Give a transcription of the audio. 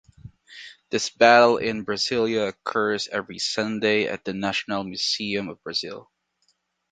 This battle in Brasilia occurs every Sunday at the Nacional Museum of Brazil.